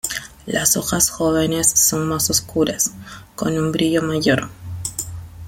Las hojas jóvenes son más oscuras, con un brillo mayor.